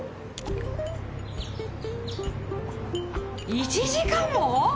１時間も？